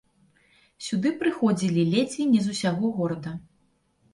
Сюды прыходзілі ледзьве не з усяго горада.